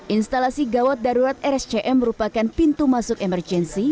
instalasi gawat darurat rscm merupakan pintu masuk emergensi